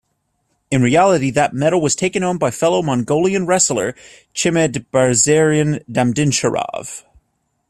In reality, that medal was taken home by fellow Mongolian wrestler Chimedbazaryn Damdinsharav.